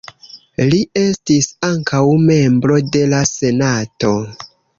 Li estis ankaŭ membro de la senato.